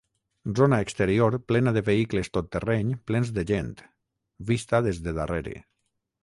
Zona exterior plena de vehicles tot terreny plens de gent, vista des de darrere.